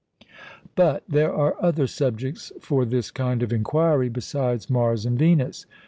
But there are other subjects for this kind of inquiry besides Mars and Venus.